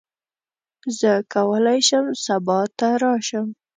زه کولی شم سبا ته راشم.